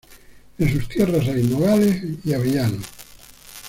En sus tierras hay nogales y avellanos.